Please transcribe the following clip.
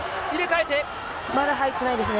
まだ入ってないですね。